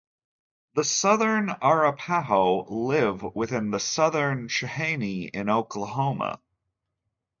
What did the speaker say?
The Southern Arapaho live with the Southern Cheyenne in Oklahoma.